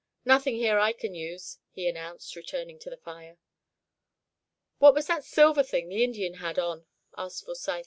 "Nothing here I can use," he announced, returning to the fire. "What was that silver thing the Indian had on?" asked Forsyth.